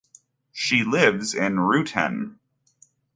She lives in Ruthin.